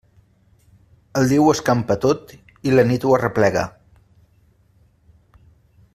El dia ho escampa tot i la nit ho arreplega.